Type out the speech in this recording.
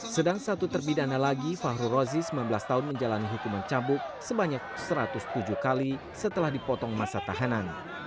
sedang satu terpidana lagi fahru rozi sembilan belas tahun menjalani hukuman cabuk sebanyak satu ratus tujuh kali setelah dipotong masa tahanan